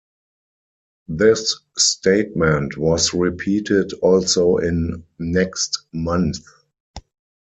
This statement was repeated also in next months.